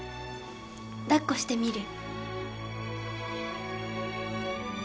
抱っこしてみる？